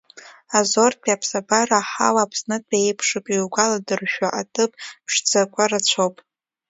Азортәи аԥсабара, аҳауа Аԥснытәи еиԥшуп, иугәаладыршәо аҭыԥ ԥшӡақәа рацәоуп.